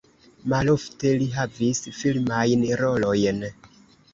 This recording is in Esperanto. Malofte li havis filmajn rolojn.